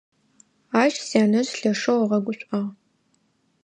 Ащ сянэжъ лъэшэу ыгъэгушӀуагъ.